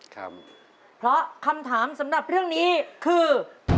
คำถามเพราะคำถามสำหรับเรื่องนี้คือ